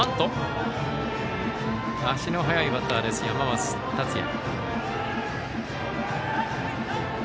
足の速いバッターです、山増達也。